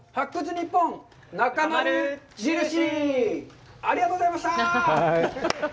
ニッポンなかまる印。